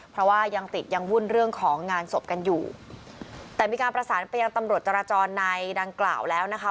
เพราะว่ายังติดยังวุ่นเรื่องของงานศพกันอยู่แต่มีการประสานไปยังตำรวจจราจรในดังกล่าวแล้วนะคะ